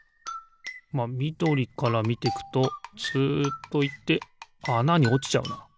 まあみどりからみてくとツッといってあなにおちちゃうな。